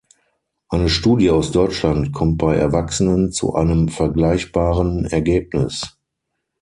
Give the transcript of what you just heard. Eine Studie aus Deutschland kommt bei Erwachsenen zu einem vergleichbaren Ergebnis.